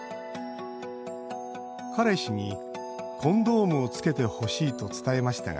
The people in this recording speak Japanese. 彼氏に「コンドームをつけてほしい」と伝えましたが